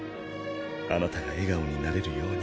あなたが笑顔になれるように。